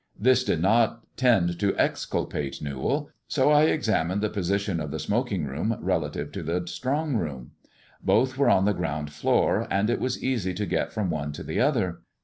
This did not tend to excul pate Newall, so I examined the position of the smoking room relative to the strong room. Both were on the ground floor, and it was easy to get from one to the other.